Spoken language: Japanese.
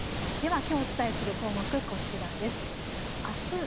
ではきょうお伝えする項目、こちらです。